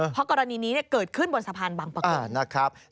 เพราะกรณีนี้เกิดขึ้นบนสะพานบางปะโกง